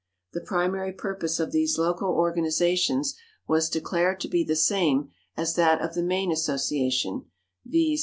The primary purpose of these local organizations was declared to be the same as that of the main association, viz.